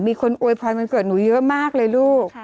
มีคนอวยพรวันเกิดหนูเยอะมากเลยลูก